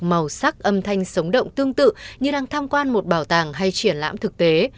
màu sắc âm thanh sống động tương tự như đang tham quan một bảo tàng hay triển lãm thực tế